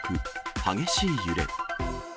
激しい揺れ。